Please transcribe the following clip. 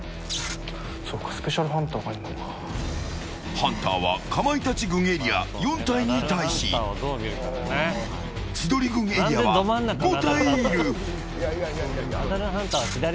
ハンターはかまいたち軍エリア４体に対し千鳥軍エリアは５体いる。